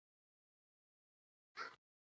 افغانستان لویو قدرتونو ته ماتې ورکړي